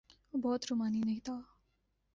وہ بہت رومانی نہیں تھا۔